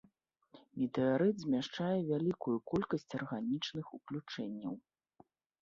Метэарыт змяшчае вялікую колькасць арганічных уключэнняў.